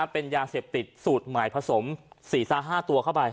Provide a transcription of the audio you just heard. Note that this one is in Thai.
เป็นยาเสพติดสูตรใหม่ผสม๔๕ตัวเข้าไป